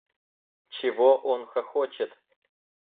— Чего он хохочет?